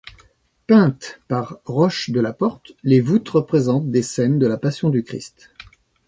Peintes par Roche Delaporte, les voûtes représentent des scènes de la Passion du Christ.